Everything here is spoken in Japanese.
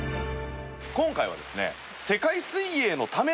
今回はですね。